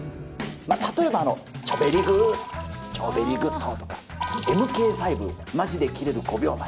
例えば、チョベリグ、超ベリグッドとか、ＭＫ５、マジでキレる５秒前。